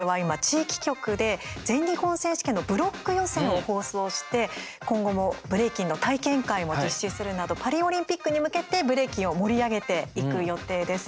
ＮＨＫでは、今地域局で全日本選手権のブロック予選を放送して今後もブレイキンの体験会も実施するなどパリオリンピックに向けてブレイキンを盛り上げていく予定です。